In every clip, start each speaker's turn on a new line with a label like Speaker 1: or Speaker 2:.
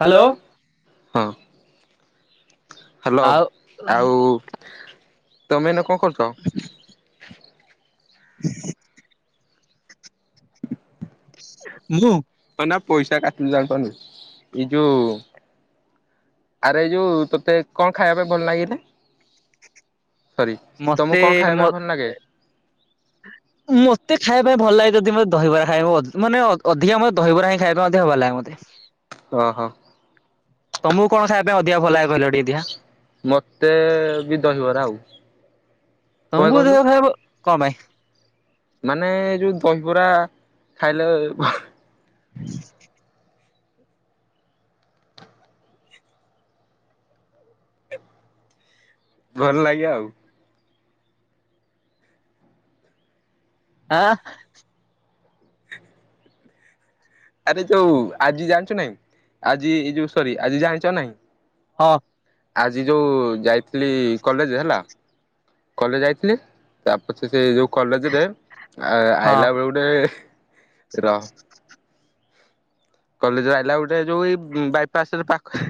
Speaker 1: Hello
Speaker 2: hello. ହଁ। Hello.
Speaker 1: ଆଉ
Speaker 2: ଆଉ। ତମେ ଏଇନା କଣ କରୁଛ?
Speaker 1: [inaudible] ମୁଁ?
Speaker 2: ହଁ ନା ପଇସା କାଟିଲୁ ଜାଣି କନୁ। ଏଇ ଯୋଉ ଆରେ, ଏଇ ଯୋଉ ତତେ। କଣ ଖାଇବା ପାଇଁ ଭଲ ଲାଗେ ଏଇନା? ସରି ତମକୁ
Speaker 1: ମତେ।
Speaker 2: କଣ ଖାଇବା
Speaker 1: ମ
Speaker 2: ପାଇଁ ଭଲ
Speaker 1: ମତେ ଖାଇବା ପାଇଁ ଭଲ ଲାଗେ ଯଦି। ମତେ ଦହିବରା ଖାଇବ, ମାନେ ଅଧିକା ମତେ ଦହିବରା ହିଁ। ଖାଇବା ମଧ୍ୟ ଭଲ ଲାଗେ ମତେ।
Speaker 2: ଓ ହୋ।
Speaker 1: ତମକୁ କଣ ଖାଇବା ପାଇଁ, ଅଧିକା ଭଲ ଲାଗେ? କହିଲ ଟିକେ ଦେଖିଆ
Speaker 2: ମତେ ବି ଦହିବରା ଆଉ। କଣ ପାଇଁ
Speaker 1: ତମକୁ
Speaker 2: କହିଲୁ?
Speaker 1: ଦହିବରା ଖାଇବାକୁ କଣ ପାଇଁ?
Speaker 2: ମାନେ ଏ ଯୋଉ, ଦହିବରା ଖାଇଲେ ଭଲ ଲାଗେ ଆଉ।
Speaker 1: ଆଁ?
Speaker 2: ଆରେ ଏଇ ଯୋଉ। ଆଜି ଜାଣିଛ ନାହିଁ। ଆଜି ଏ ଯୋଉ, ସରି ଆଜି ଜାଣିଛ ନାହିଁ।
Speaker 1: ହଁ।
Speaker 2: ଆଜି ଯୋଉ, ଯାଇଥିଲି କଲେଜ, ହେଲା। କଲେଜ ଯାଇଥିଲି। ତାପଛରେ ସେ ଯୋଉ କଲେଜ ରେ
Speaker 1: ହଁ
Speaker 2: ଆଇଲା ବେଳେ, ଗୋଟେ ରହ। କଲେଜରୁ ଆଇଲା ଗୋଟେ। ଯୋଉ ଏଇ ବାଇପାସରେ। ପାଖରେ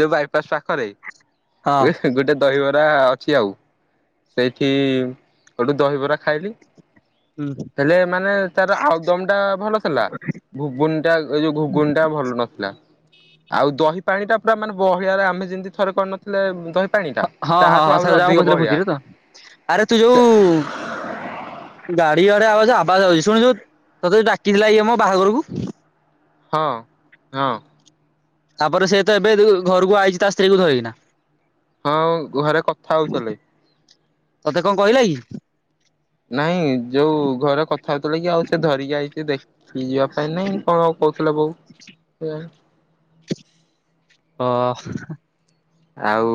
Speaker 2: ଯୋଉ ବାଇପାସ୍ ପାଖରେ।
Speaker 1: ହଁ
Speaker 2: ଗୋଟେ ଦହିବରା ଅଛି ଆଉ। ସେଇଠି ଗୋଠୁ ଦହିବରା ଖାଇଲି।
Speaker 1: ହୁଁ
Speaker 2: ହେଲେ। ମାନେ ତାର, ଆଉଦମ ଟା ଭଲ ଥିଲା। ଘୁଗୁନ ଟା, ଏଇ ଯୋଉ ଘୁଗୁନ ଟା ଭଲ ନଥିଲା। ଆଉ ଦହି ପାଣି ଟା ପୁରା, ମାନେ ବହଳିଆରେ। ଆମେ ଯେମିତି ଥରେ କରିନଥିଲେ। ଦହି ପାଣି ଟା
Speaker 1: ହଁ ହଁ,
Speaker 2: ତାଠୁ
Speaker 1: ହଁ।
Speaker 2: ଆହୁରି
Speaker 1: ସରଦାମ
Speaker 2: ଅଧିକ
Speaker 1: କରିଥିଲେ,
Speaker 2: ବହଳିଆ
Speaker 1: ଭୋଜିରେ ତ। ଆରେ ତୁ ଯୋଉ ଗାଡି ଗାଡିଆ ଆବା ଆବାସ ଆଛି। ଶୁଣିଛୁ, ତତେ ଯଦି ଡାକିଥିଲାମ, ବାହାଘରକୁ।
Speaker 2: ହଁ ହଁ।
Speaker 1: ତାପରେ, ସେ ତ ଏବେ ଘରକୁ ଆଇଛି। ତା ସ୍ତ୍ରୀ କୁ ଧରିକିନା।
Speaker 2: ହଁ। ଘରେ କଥା ହଉଥିଲେ।
Speaker 1: ତତେ କଣ କହିଲା କି?
Speaker 2: ନାଇଁ ଯୋଉ ଘରେ ପିଇ ଯିବା ପାଇଁ ନାଇଁ। କଣ କହୁଥିଲା ବୋଉ?
Speaker 1: ଅ।
Speaker 2: ଆଉ।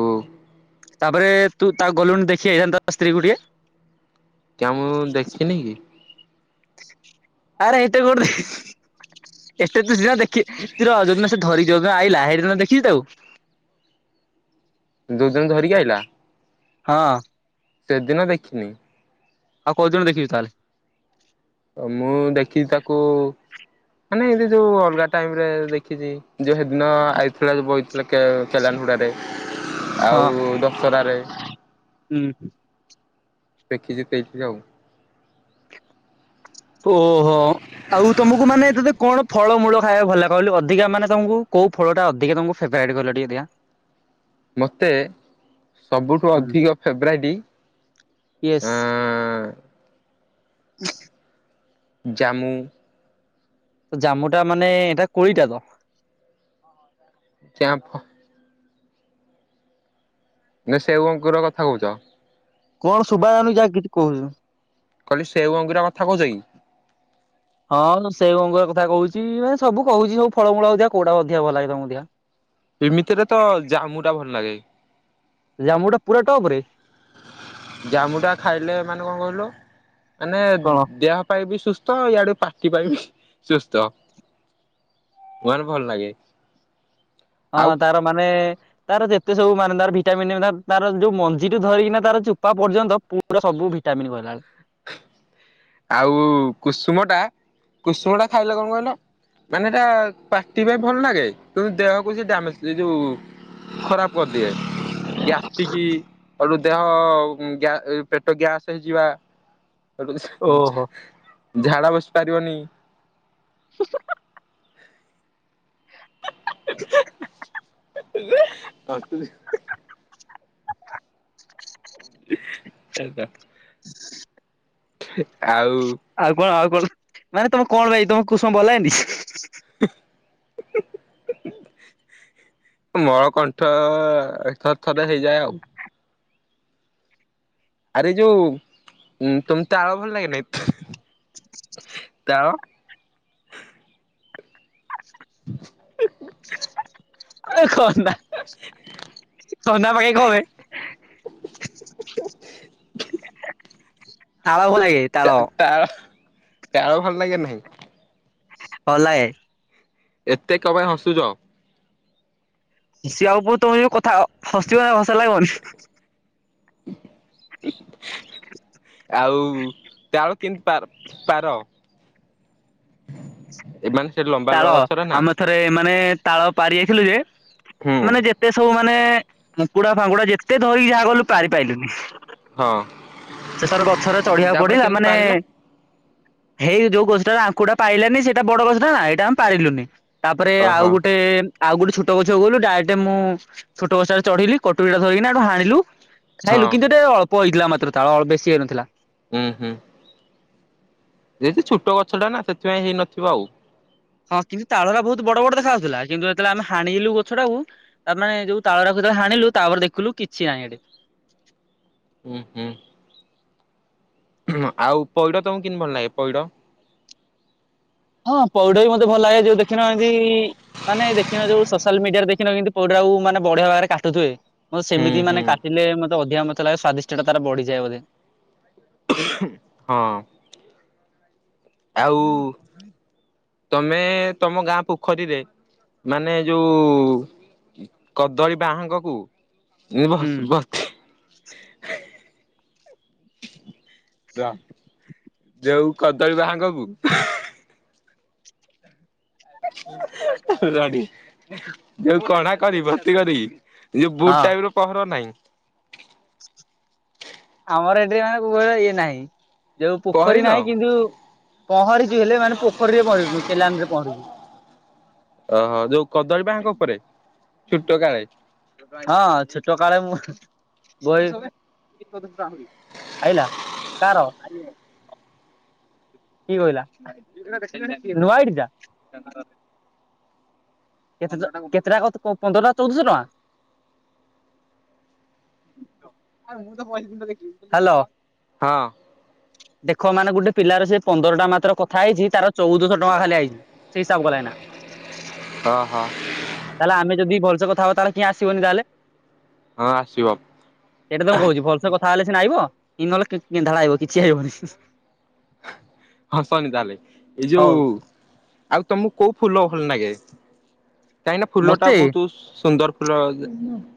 Speaker 1: ତାପରେ। ତୁ ତା ଗଲୁଣି ଦେଖି, ଆଇଥାନ୍ତୁ ତା ସ୍ତ୍ରୀକୁ ଟିକେ।
Speaker 2: କିଆଁ, ମୁଁ ଦେଖିନି କି।
Speaker 1: ଆରେ ଏଇଠି କରୋଡି। ଏତେ ତୁ ସିନା। ଦେଖେ ତର ଯଉଦିନ ସେ ଧରିକି ଯଉଦିନ ଆଇଲା। ହେ ଏ ଦେଖଛି ତ ଆଉ।
Speaker 2: ଦୁ ଦିନ ଧରିକି ଆଇଲା।
Speaker 1: ହଁ।
Speaker 2: ଟେଦିନ ଦେଖିନି।
Speaker 1: ଆଉ କୋଉଦିନ ଦେଖିବି ତାହେଲେ?
Speaker 2: ମୁଁ ଦେଖିଛି ତାକୁ ମାନେ ଏ ଯୋଉ ଅଲଗା ଟାଇମ ରେ ଦେଖିଛି। ଯେଉଁ ହେଦିନ ଆଇଥିଲା ଯୋଉ ବଇଥିଲା କେ କେଲାନ ହୁଡ଼ାରେ। ଆଉ
Speaker 1: ହଁ
Speaker 2: ଦଶହରାରେ।
Speaker 1: ହୁଁ।
Speaker 2: ଦେଖିଛି କେଇଠି ଆଉ।
Speaker 1: ଓହୋ। ଆଉ ତମକୁ ମାନେ ତତେ କଣ ଫଳମୂଳ ଖାଇବାକୁ ଭଲଲାଗେ କହିଲୁ ଅଧିକା ମାନେ ତମକୁ କୋଉ ଫଳଟା ଅଧିକା ତମକୁ ଫେବରାଇ୍ଟ କହିଲ ଟିକେଦେଖିବା?
Speaker 2: ମୋତେ ସବୁଠୁ
Speaker 1: ହୁଁ
Speaker 2: ଅଧିକ ଫେବ୍ରାଇଟ
Speaker 1: ୟେସ୍। [unintelligible]
Speaker 2: ଜାମୁ।
Speaker 1: ତ ଜାମୁ ଟା ମାନେ ଏଟା କଳି ଟାତ।
Speaker 2: [unintelligible] ନା ସେଉଅଙ୍କର କଥା କହୁଛ?
Speaker 1: କଣ ଶୁଭାଜାଉନି ଯା କିଛି କହୁଛୁ।
Speaker 2: କହିଲି ସେଉ ଅଙ୍ଗୁରା କଥା କହୁଛ କି?
Speaker 1: ହଁ ମୁଁ ସେଇଅଙ୍ଗର କଥା କହୁଛି ମାନେ ସବୁ କହୁଛି ସବୁ ଫଳମୂଳ ଅଧିକା କୋଉଟା ଅଧିକା ଭଲ ଲାଗେ ତମକୁ ଦେଖିଆ?
Speaker 2: ଏମିତିରେ ତ ଜାମୁ ଟା ଭଲ ଲାଗେ।
Speaker 1: ଜାମୁ ଟା ପୁରା ଟପ ରେ।
Speaker 2: ଜାମୁ ଟା ଖାଇଲେ ମାନେ କଣ କହିଲ ମାନେ
Speaker 1: କଣ?
Speaker 2: ଦେହ ପାଇଁ ବି ସୁସ୍ଥ ଇଆଡେ ପାଟି ପାଇଁ ବି ସୁସ୍ଥ। କୁଆନ ଭଲ ଲାଗେ।
Speaker 1: ହଁ
Speaker 2: ଆଉ
Speaker 1: ତାର ମାନେ ତାର ଯେତେ ସବୁ ମାନେ ତାର ଭିଟାମିିନ ତାର ଯୋଉ ମଞ୍ଜି ଟୁ ଧରିକିନା ତାର ଚୁପା ପର୍ଯ୍ୟନ୍ତ ପୁରା ସବୁ ଭି ଟାମନ୍ ଗଲାଳ।
Speaker 2: ଆଉ କୁସୁମ ଟା କୁସୁମ ଟା ଖାଇଲେ କଣ କହିଲ? ମାନେ ଏଟା ପାଟି ପାଇଁ ଭଲ ଲାଗେ ତୁ ଦେହକୁ ସେ ଡାମେଜ୍ ଏଯୋଉ ଖରାପ। କରିଦିଏ ଗ୍ୟାସ ଟିକ ଦେହ ଗ୍ୟା ପେଟ ଗ୍ୟାସ ହେଇଯିବା।
Speaker 1: ଓହୋ
Speaker 2: ଝା ଝାଡା ବସି ପାରିବନି।
Speaker 1: [unintelligible]
Speaker 2: [unintelligible] [unintelligible] ସେଟା।
Speaker 1: [inaudible]
Speaker 2: ଥି ଆଉ।
Speaker 1: ଭଳ ମାନେ ତମେ କଣ ଭାଇ ତମ କୁସୁମ ଭଲ ଲାଗେନି? [unintelligible]
Speaker 2: ମଳକଣ୍ଠ ଥରେ ଥରେ ହେଇଯାଏ ଆଉ। ଆରେ ଯୋଉ ତୁମ ତ ତାଳ ଭଲ ଲାଗେ ନାଇ? [inaudible] ତାଳ। [unintelligible]
Speaker 1: [unintelligible] [unintelligible] ତାଳ ଭଲ ଲାଗେ ତାଳ।
Speaker 2: ତାଳ ଭଲ ଲାଗେ ନାହିଁ।
Speaker 1: ହଁ ଲାଗେ।
Speaker 2: ଏତେ କ ପାଇଁ ହସୁଛ?
Speaker 1: ହସିବାକୁ ପ ତମେ ଯଉ କଥା ହସିବ ହସ ଲାଗିବନି।
Speaker 2: [unintelligible] ଆଉ ଚାଉଳ କେମିତି ପାର ପାର ଏମାନେ ସେ ଲମ୍ବା
Speaker 1: ତାଳ
Speaker 2: ଲମ୍ବା ଗଛର ନା
Speaker 1: ଆମେ ଥରେ ମାନେ ତାଳ ପାରିଆଖିଲୁ ଯେ
Speaker 2: ହୁଁ
Speaker 1: ମାନେ ଯେତେ ସବୁ ମାନେ ମୁକୁଡା ଫାଙ୍ଗୁଡା ଯେତେ ଏତେ ଧରିକି ଯାହା ଗଲୁ ପାରି ପାଇଲୁନି।
Speaker 2: ହଁ
Speaker 1: ଶେଷରେ ଗଛରେ ଚଢିବାକୁ
Speaker 2: ତାପରେ
Speaker 1: ପଡିଲା
Speaker 2: କେମିତି
Speaker 1: ମାନେ
Speaker 2: ପାରିଲ
Speaker 1: ହେଇ ଯୋଉ ଗଛଟା ଆଖୁଟା ପାଇଲାନି ସେଇଟା ବଡ ଗଛଟା ନା ଏଇଟା ଆମେ ପାରିଲୁନି। ତାପରେ
Speaker 2: ଓହୋ
Speaker 1: ଆଉ ଗୋଟେ ଆଉ ଗୋଟେ ଛୋଟଛକୁ ଗଲୁ ଡାଇରେକ୍ଟ ମୁଁ ଛୋ ଗଛଟ ଚଢିଲି କଟୁରୀଟା ଧରିକିନାଠୁ ହାଣିଲୁ
Speaker 2: ହଁ
Speaker 1: ଖାଇଲୁ କିନ୍ତୁ ଏୋଟେ ଅଳ୍ପ ହେଇଥିଲା ମାତ୍ର ତାଳ ଅଳ୍ ବେଶୀ ହେଇନଥିଲା।
Speaker 2: ହୁଁ ହୁଁ ଯେ ଛୋଟ ଗଛ ଟା ନା ସେଥିପାଇଁ ହେଇନଥିବ ଆଉ।
Speaker 1: ହଁ କିନ୍ତୁ ତାଳ ଟା ବହୁତ ବଡ ବଡ ଦେଖା ଯାଉଥିଲାନ୍ତୁ ଯେତେବେଳେ ଆମେ ହାଣିଲୁ ଗଛ ଟାକୁ ତା ମାନେ ଯୋଉ ତାଳ ଯେତେବେଳେ ହାଣିଲୁ ତାପରେ ଦେଖିଲୁ କିଛି ନାହିଁ ଏଠି।
Speaker 2: ହୁଁ ହୁଁ ହ ଆଉ ପଇଡ ତମକୁ କେମିତି ଭଲ ଲାଗେ ପଇଡ।
Speaker 1: ହଁ ପଉଡା ବି ମୋତେ ଭଲ ଲାଗେ ଯଉ ଦେଖିନ ଏମ ମାନେ ଦେଖିନ ଯୋଉ ସୋସିଆଲ ମିଡିଆରେ ଦେଖିନ ପଇଡ ମାନେ ବଢିଆ ଭାବରେ କାଟୁଥିବେ। ମତେ
Speaker 2: ହୁଁ
Speaker 1: ସେମିତି
Speaker 2: ହୁଁ
Speaker 1: ମାନେ କାଟିଲେ ମତେ ଅଧିକା ମତ ଲାଗେ ସ୍ଵାଦିଷ୍ଟ ଟା ତାର ବଢିଯାଏ ବୋଧେ।
Speaker 2: ହଁ ଆଉ ତମେ ତମ ଗାଁ ପୋଖରୀରେ ମାନେ ଯୋଉ କଦଳୀ ବାହାଙ୍ଗ କୁ
Speaker 1: ହୁଁ
Speaker 2: ବସ୍ ବସି ର ଯଉ କଦଳୀ ବାହାଙ୍ଗକୁ ରଣୀ ଯୋଉ କଣା କରି ଭର୍ତ୍ତି କରି ଏ ଯେଉ
Speaker 1: ହଁ।
Speaker 2: ବୁଟ ଟାଇପ ର ପହର ନାହିଁ।
Speaker 1: ଆମର ଏଠି ମାନେ କ ଇଏ ନାହିଁ ଯୋଉ ପୋଖରୀ
Speaker 2: ପହରିନ
Speaker 1: ନାହିଁ କିନ୍ତୁ ପହଁରିଛୁ ହେଲେ ମାନେ ପୋଖରୀରେ ପହଁରରୁନୁ କେଲାନ ରେ ପହଁରିଛୁ।
Speaker 2: ଓହୋ ଯୋଉ କଦଳୀ ବାଙ୍କ ଉପରେ। ଛୋଟ କାଳେ
Speaker 1: ହଁ ଛୋଟ କାଳେ ମୁଁ। ଗ ଆଇଲା କା ର କିଏ କଇଲା ନୂଆ ଆଇଡି ଟା କେତେ କେତେଟଙ୍କା ପନ୍ଦର ଟା ଚଉଦଶହ ଟଙ୍କା ମୁଁ ତ
Speaker 2: ହଁ
Speaker 1: ଦେଖ ମାନେ ଗୋଟେ ପିଲାର ସେ ପନ୍ଦର ଟା ମାତ୍ର କଥା ହେଇଛି ତାର ଚଉଦଶହ ଟଙ୍କା ଖାଲି ହେଇଛି ସେଇ ହିସାବ କଲେ ନା
Speaker 2: ହଁ ହଁ
Speaker 1: ତାହେଲେ ଆମେ ଯଦି ଭଲସେ କଥା ହବ ତାହେଲେ କିଏ ଆସିବନି ତାହେଲେ।
Speaker 2: ହଁ ଆସିବ।
Speaker 1: ତାହେଲେ ସିନା ଆଇବ ନହେଲେ ଧା ଆଇବ କିଛି ଆଇିବନି
Speaker 2: ହଁ ଶନି ତାହେଲେ ଏଇ
Speaker 1: ହଉ
Speaker 2: ଯୋଉ ଆଉ ତମକୁ କୋଉ ଫୁଲ ଭଲ ଲାଗେ କାହିଁକି ଫୁଲ ଟା
Speaker 1: ମତେ
Speaker 2: ବହୁତ ସୁନ୍ଦର। ପ [unintelligible]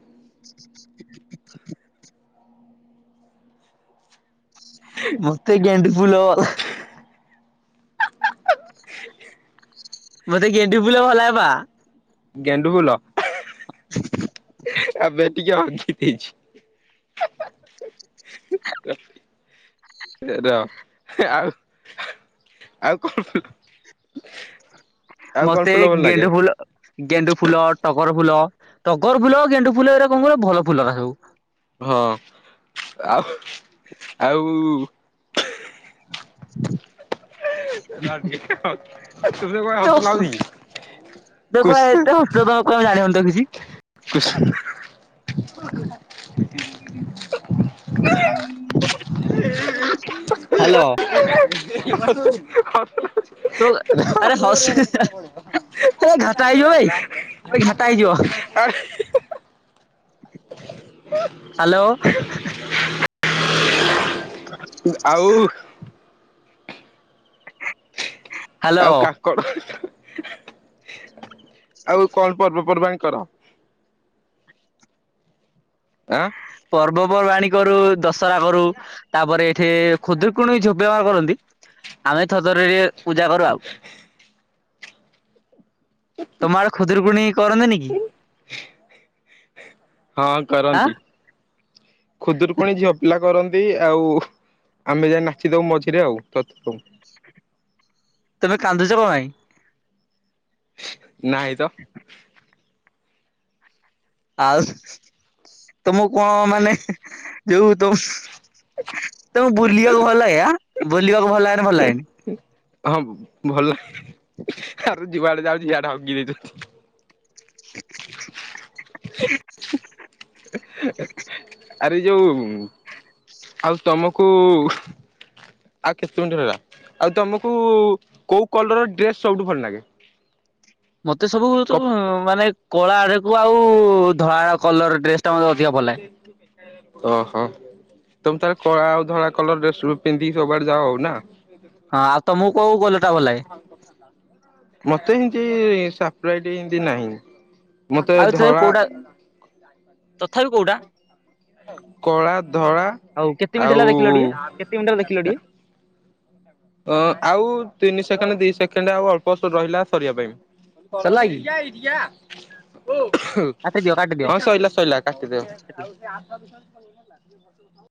Speaker 1: ମତେ ଗେଣ୍ଡୁ ଫୁଲଲା ମତେ ଗଣ୍ଡୁ ଫୁଲ ଭଲ ଲାଗେ ପା
Speaker 2: ଗେଣ୍ଡୁ ଫୁଲ ଆବେ ଏଠି କିଏ ହଗି ଦେଇଚି ର ଆଉ ଆଉ କଣ ଆଉ କଣ
Speaker 1: ମତେ
Speaker 2: ଫୁଲ ଭଲ ଲାଗେ?
Speaker 1: ଗେଣ୍ଡୁ ଫୁଲ ଗେଣ୍ଡୁ ଫୁଲ ଟଗର ଫୁଲ ଟଗର ଫୁଲ ଗେଣ୍ଡୁ ଫୁଲ ଏଟା କଣ କ ଭଲ ଫୁଲ ସବୁ
Speaker 2: ହଁ ଆଉ ଆଉ ତୁମେ କ
Speaker 1: ତୋ
Speaker 2: ହନାଉ ଦ
Speaker 1: ତୋ କଣ ଏତେ ହସୁଛ ତମେ
Speaker 2: [unintelligible]
Speaker 1: କଣ ଜାଣି ହଉନି ତ
Speaker 2: କ [inaudible]
Speaker 1: ହଁ ହ୍ୟାଲୋ
Speaker 2: ହ ହାତ [inaudible]
Speaker 1: ତୋ ଆରେ ହସି ଘାଟା ହେଇଯିବ ଭାଇ ଏବେ ଘାଟା ହେଇଯିବ ହ୍ୟାଲୋ
Speaker 2: ଆଉ
Speaker 1: ହ୍ୟାଲୋ
Speaker 2: ଆଉ କାକଡ ଆଉ କଣ ପର୍ବପର୍ବାଣ [unintelligible] କର ଆ [unintelligible]
Speaker 1: ପର୍ବପର୍ବାଣୀ କରୁ ଦଶହରା କରୁ ତାପରେ ଏଠି ଖୁଦରକୁଣ ଝୋପହାର କରନ୍ତି ଆମେ ଥଥରରେ ପୂଜା କରୁ ଆଉ ତମ ଆଡେ ଖୁଦରକୁଣୀ କରନ୍ତିନି କି
Speaker 2: ହଁ
Speaker 1: ଆଁ
Speaker 2: କରନ୍ତି ଖୁଦୁରକକୁଣି ଝିଅପିଲା କରନ୍ତି ଆଉ ଆମେ ଯାଇଏ ନାଚି ଦଉ ମଝିରେ ଆଉ ତ
Speaker 1: ତମେ କାନ୍ଦୁଛ କଣ ଭାଇ
Speaker 2: ନାହିଁ ତ
Speaker 1: ଆଉ ତମ କଣ ମାନେ ଯୋଉ ତମ ତମ ବୁଲିବାକୁ ଭଲ ହେଇ ଆ ବୁଲିବାକୁ ଭଲ ଲାଗେନି ଭଲ ହେଗେନି
Speaker 2: ହଁ ଭଲ ଆ ଯୁଆଡେ ଯାଉଛି ଯଆଡେ ହଗି ଦେଇଛନ୍ତି
Speaker 1: [inaudible]
Speaker 2: ଆ [unintelligible] ଯୋଉ ଆଉ ତମକୁ ଆଉ କେତେ ମ ହେଲା ଆଉ ତମକୁ କୋଉ କଲର ଡ୍ରେସ ସବୁଠୁ ଭଲ ଲାଗେ
Speaker 1: ମତେ ସବୁ
Speaker 2: କପ୍
Speaker 1: ମାନେ କଳା ଆଡକୁ ଆଉ ଧଳା ଆଡ କଲର ଡ୍ରେସ ଟା ମତେ ଅଧିକ ଭଲ ଲାଗେ।
Speaker 2: ଓ ହୋ ତମେ ତାର କଳା ଆଉ ଧଳା କଲର ଡ୍ରେସ ପିଧିକି ସବୁବେଡ ଯାଅ ହଉ ନା
Speaker 1: ହଁ ଆଉ ତମକୁ କୋଉ କଲର ଟା ଭଲ ଲାଗେ?
Speaker 2: ମତେ ଏମତି ଏମତି ନାହିଁ ମତେ
Speaker 1: ଆଉ ତଥାପି
Speaker 2: ଧଳା
Speaker 1: କୋଉଟା ତଥାପି କୋଉଟା
Speaker 2: କଳା ଧଳା
Speaker 1: ଆଉ କେତେ ମିନିଟ ହେଲା ଦେଖିଲ ଟିକେ କେତେ ମିନିଟ ଦେଖିଲ ଟିକେ
Speaker 2: ଅ ଆଉ ତିନି ସେକେଣ୍ଡ ଦି ସେକେଣ୍ଡ ଆଉ ଅଳ୍ପଷ୍ଟ ରହିଲା ସରିବା ପାଇଁ ଆଆ
Speaker 1: ସରିଲା କି?
Speaker 2: ଓ
Speaker 1: କାଟିଦିଅ କାଟିଦିଅ।
Speaker 2: [unintelligible] ହଁ ସୋଇଲାା ଶୋଇଲାା କାଟିଦଉ